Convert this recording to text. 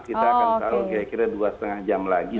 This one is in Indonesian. kita akan tahu kira kira dua lima jam lagi